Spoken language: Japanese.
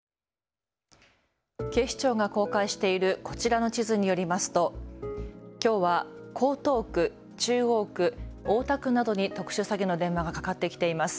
警視庁が公開しているこちらの地図によりますときょうは江東区、中央区、大田区などに特殊詐欺の電話がかかってきています。